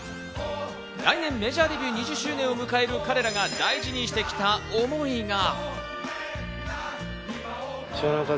来年、メジャーデビュー２０周年を迎える彼らが大事にしてきた思いが。